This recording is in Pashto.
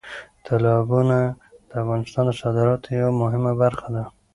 تالابونه د افغانستان د صادراتو یوه مهمه برخه ده.